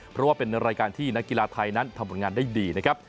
เพราะว่าเป็นรายการที่นักกีฬาไทยนั้นทำผลงานได้ดีนะครับ